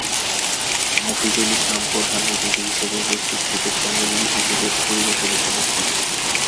মফিজুল ইসলাম প্রধান অতিথি হিসেবে উপস্থিত থেকে শ্রমজীবী শিশুদের পরিবেশনা উপভোগ করেন।